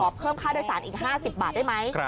เพิ่มค่าโดยสารอีก๕๐บาทได้ไหม